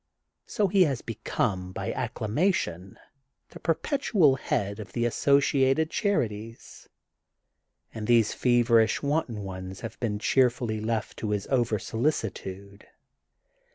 So he has become, by acclamation, the perpetual head of the Associated Charities, and these feverish wanton ones have been 17« THE GOLDEN BOOK OF SPRINGFIELD cheerfully left to his over solicitude.